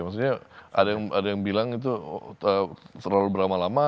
maksudnya ada yang bilang itu terlalu berlama lama